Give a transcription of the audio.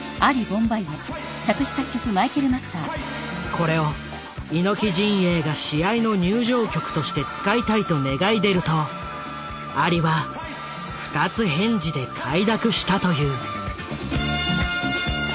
これを猪木陣営が試合の入場曲として使いたいと願い出るとアリは二つ返事で快諾したという。